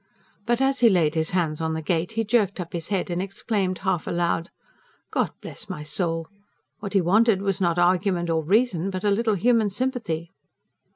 But as he laid his hands on the gate, he jerked up his head and exclaimed half aloud: "God bless my soul! What he wanted was not argument or reason but a little human sympathy."